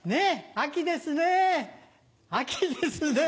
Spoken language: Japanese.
秋ですね。